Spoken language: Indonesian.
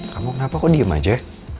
kamu kenapa kok diem aja